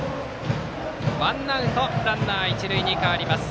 ワンアウトランナー、一塁に変わりました。